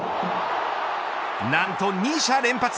何と２者連発。